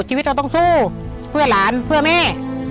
ชีวิตเราต้องสู้เพื่อหลานเพื่อแม่